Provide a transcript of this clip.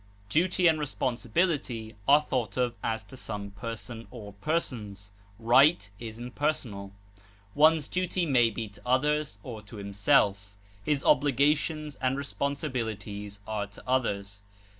Duty and responsibility are thought of as to some person or persons; right is impersonal. One's duty may be to others or to himself; his obligations and responsibilities are to others.